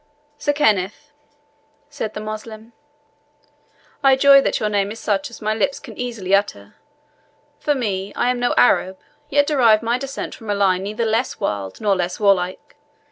"Sir Kenneth," said the Moslem, "I joy that your name is such as my lips can easily utter. For me, I am no Arab, yet derive my descent from a line neither less wild nor less warlike.